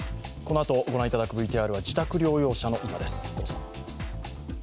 このあと御覧いただくＶＴＲは自宅療養者の今です。